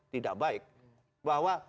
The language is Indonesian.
tidak baik bahwa